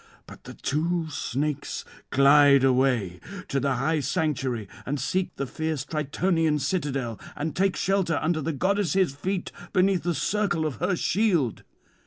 But the two snakes glide away to the high sanctuary and seek the fierce Tritonian's citadel, [227 261]and take shelter under the goddess' feet beneath the circle of her shield.